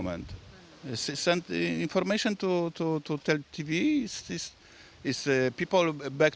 mereka mengirim informasi ke tv orang kembali ke wilayah